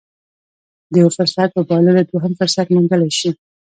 د يوه فرصت په بايللو دوهم فرصت موندلی شي.